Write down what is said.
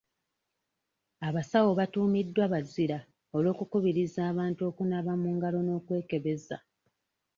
Abasawo batuumiddwa abazira olw'okukubiriza abantu okunaaba mu ngalo n'okwekebeza.